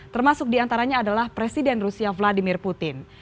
termasuk diantaranya adalah presiden rusia vladimir putin